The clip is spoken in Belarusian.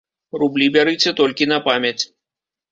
Рублі бярыце толькі на памяць.